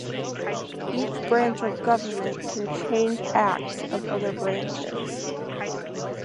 Each branch of government can change acts of the other branches: